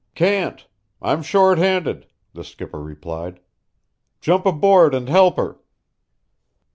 "Can't. I'm short handed," the skipper replied. "Jump aboard and help her."